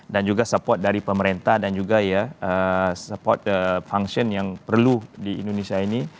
dan juga support dari pemerintah dan juga ya support function yang perlu di indonesia ini